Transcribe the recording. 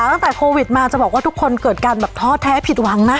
ตั้งแต่โควิดมาจะบอกว่าทุกคนเกิดการแบบท้อแท้ผิดหวังนะ